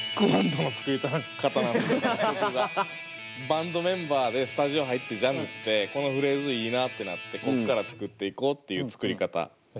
バンドメンバーでスタジオ入ってジャムってこのフレーズいいなってなってこっから作っていこうっていう作り方。